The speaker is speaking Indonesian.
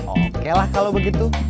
oke lah kalau begitu